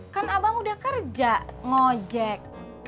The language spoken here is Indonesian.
kan abang udah kerja ngojek